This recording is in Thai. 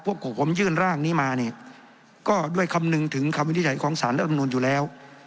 พวกของผมยื่นร่างนี้มาเนี่ยก็ด้วยคำนึงถึงคำวินิจฉัยของสารรัฐมนุนอยู่แล้ว